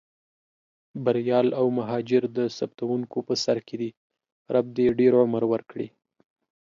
بریال او مهاجر د ثبتوونکو په سر کې دي، رب دې ډېر عمر ورکړي.